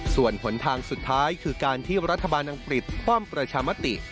ส่วนหนทางสุดท้ายคือการที่รัฐบาลอังกฤษป้อมประชามติ